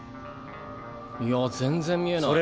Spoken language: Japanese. いや全然見えない。